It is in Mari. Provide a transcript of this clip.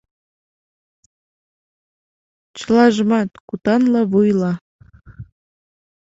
Чылажымат — кутанла-вуйла.